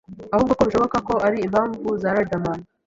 ahubwo ko bishoboka ko ari impamvu za Riderman